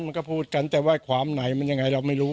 มันก็พูดกันแต่ว่าความไหนมันยังไงเราไม่รู้